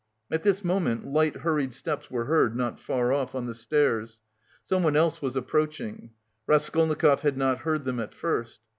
At this moment light hurried steps were heard not far off, on the stairs. Someone else was approaching. Raskolnikov had not heard them at first.